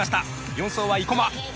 ４走は生馬。